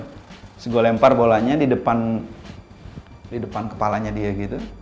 terus gue lempar bolanya di depan kepalanya dia gitu